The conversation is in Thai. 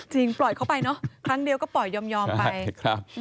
จริงปล่อยเขาไปครั้งเดียวก็ปล่อยยอมไป